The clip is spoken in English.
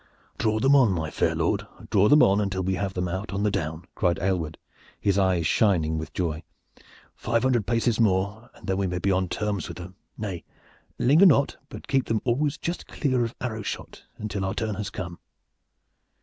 "Draw them on, my fair lord! Draw them on until we have them out on the down!" cried Aylward, his eyes shining with joy. "Five hundred paces more, and then we may be on terms with them. Nay, linger not, but keep them always just clear of arrowshot until our turn has come."